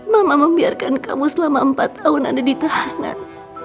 mama membiarkan kamu selama empat tahun ada di tahanan